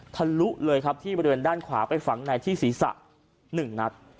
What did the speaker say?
ทะลุเลยครับที่บริเวณด้านขวาไปฝังในที่ศีรษะ๑นัด